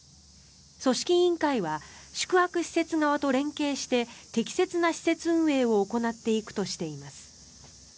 組織委員会は宿泊施設側と連携して適切な施設運営を行っていくとしています。